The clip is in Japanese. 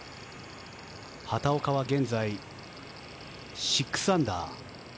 畑岡は現在６アンダー。